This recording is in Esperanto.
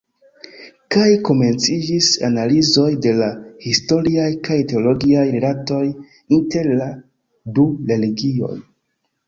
Kaj komenciĝis analizoj de la historiaj kaj teologiaj rilatoj inter la du religioj.